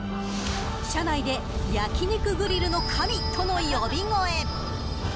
社内で焼肉グリルの神との呼び声も。